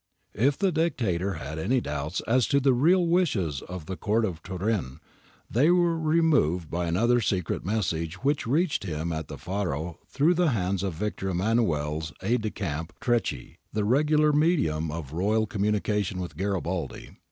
^ If the Dictator had any doubts as to the real wishes of the Court of Turin, they were removed by another secret message which reached him at the Faro through the hands of Victor Emmanuel's aide de camp Trecchi, the regular medium of royal communication with Garibaldi.